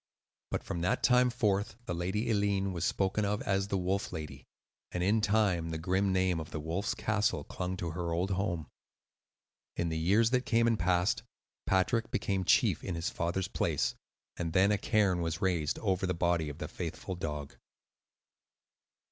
But from that time forth the Lady Eileen was spoken of as "The Wolf Lady," and in time, the grim name of the "Wolf's Castle" clung to her old home. In the years that came and passed, Patrick became chief in his father's place; and then a cairn was raised over the body of the faithful dog.